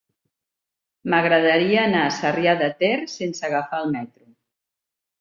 M'agradaria anar a Sarrià de Ter sense agafar el metro.